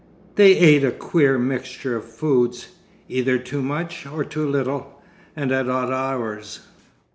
They ate a queer mixture of foods, either too much or too little, and at odd hours.